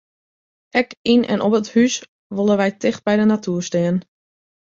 Ek yn en om it hús wolle wy ticht by de natoer stean.